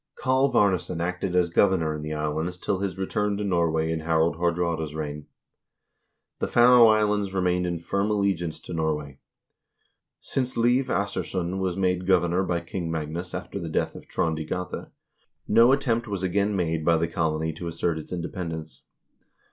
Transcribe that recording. Kalv Arnesson acted as governor in the islands till his return to Norway in Harald Haardraade's reign.1 The Faroe Islands remained in firm allegiance to Norway. Since Leiv Assursson was made governor by King Magnus after the death of Trond i Gata, no attempt was again made by the colony to assert its independence.